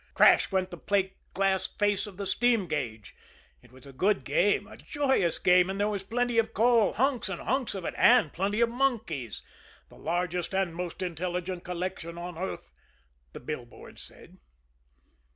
Crash went the plate glass face of the steam gauge! It was a good game, a joyous game and there was plenty of coal, hunks and hunks of it and plenty of monkeys, "the largest and most intelligent collection on earth," the billboards said.